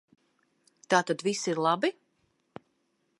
Tātad viss ir labi.